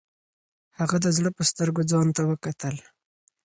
هغه د زړه په سترګو ځان ته وکتل.